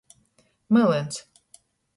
Mylyns.